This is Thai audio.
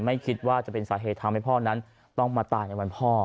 ไม่คิดว่าจะเป็นสาเหตุทำให้พ่อนั้นต้องมาตายในวันพ่อ